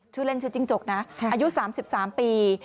ชื่อเล่นชื่อจิ้งจกนะอายุ๓๓ปี